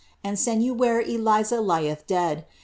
And send you where Eliza lieth dead.